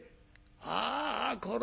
ああこら